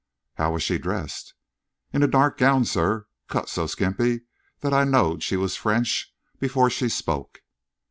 "How was she dressed?" "In a dark gown, sir, cut so skimpy that I knowed she was French before she spoke."